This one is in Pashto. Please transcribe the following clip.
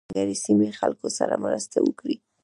نا دولتي بنسټونه شاید د یوې ځانګړې سیمې خلکو سره مرسته وکړي.